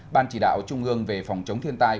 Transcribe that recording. ban chỉ đạo trung ương về phòng chống thiên tai